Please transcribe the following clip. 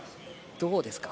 どうですか？